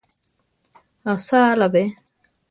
¿Asáala be?